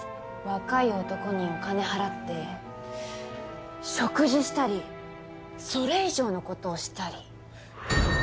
若い男にお金払って食事したりそれ以上の事をしたり。